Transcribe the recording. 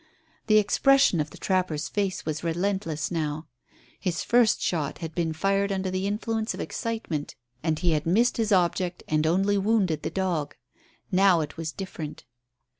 The expression of the trapper's face was relentless now. His first shot had been fired under the influence of excitement, and he had missed his object and only wounded the dog. Now it was different.